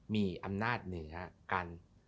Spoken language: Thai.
มีอำนาจเหนือกัน